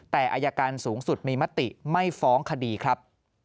แต่อายการสูงสุดมีมติไม่ฟ้องคดีครับ